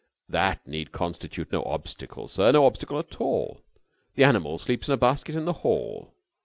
"That need constitute no obstacle, sir; no obstacle at all. The animal sleeps in a basket in the hall....